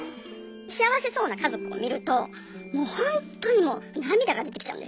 幸せそうな家族を見るともう本当に涙が出てきちゃうんですよ。